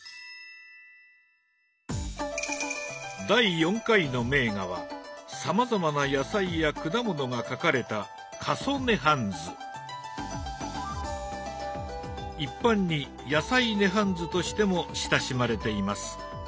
第４回の名画はさまざまな野菜や果物が描かれた一般に「野菜涅槃図」としても親しまれています。